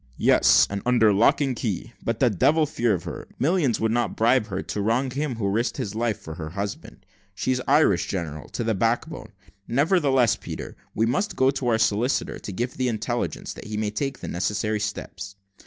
"Yes, and under lock and key; but the devil a fear of her. Millions would not bribe her to wrong him who risked his life for her husband. She's Irish, general, to the back bone. Nevertheless, Peter, we must go to our solicitor, to give the intelligence, that he may take the necessary steps."